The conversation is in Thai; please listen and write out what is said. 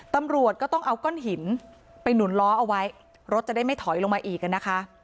ตำรวจก็ต้องเอาก้อนหินไปหนุนล้อเอาไว้รถจะได้ไม่ถอยลงมาอีกอ่ะนะคะ